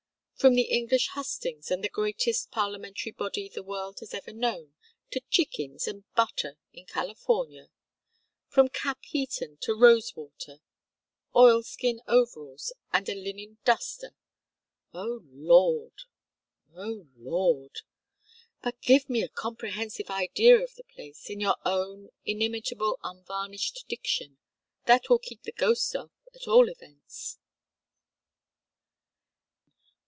"From the English hustings and the greatest parliamentary body the world has ever known to chickens and butter in California! From Capheaton to Rosewater, oil skin overalls and a linen 'Duster!' Oh, Lord! Oh, Lord! But give me a comprehensive idea of the place, in your own inimitable unvarnished diction. That will keep the ghosts off, at all events."